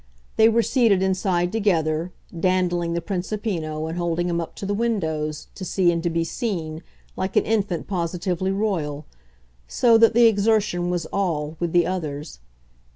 They were seated inside together, dandling the Principino and holding him up to the windows, to see and be seen, like an infant positively royal; so that the exertion was ALL with the others.